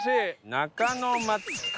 中野松川。